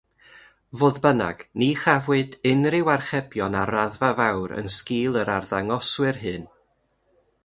Fodd bynnag, ni chafwyd unrhyw archebion ar raddfa fawr yn sgil yr arddangoswyr hyn.